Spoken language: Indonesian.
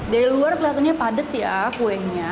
dari luar kelihatannya padat ya kuenya